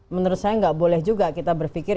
menurut saya nggak boleh juga kita berpikir